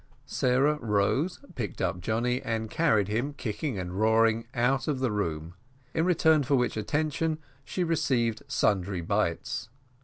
Sarah rose, picked up Johnny, and carried him kicking and roaring out of the room; in return for which attention she received sundry bites.